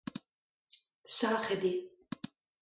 Sac'het eo.